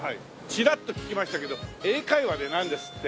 チラッと聞きましたけど英会話でなんですって？